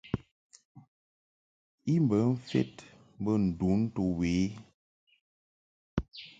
I bə mfed mbə ndon to we i.